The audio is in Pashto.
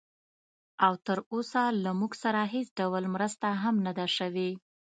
او تراوسه له موږ سره هېڅ ډول مرسته هم نه ده شوې